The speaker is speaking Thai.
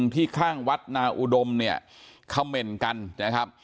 ที่ข้างวัดนาอุดมเนี่ยคำเมนต์กันนะครับ